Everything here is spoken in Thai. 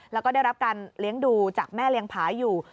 แล้วก็ได้รับการเลี้ยงดูจากแม่เลี้ยงผาอยู่